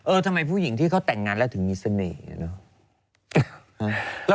ทำไมผู้หญิงที่เขาแต่งงานแล้วถึงมีเสน่ห์เนอะ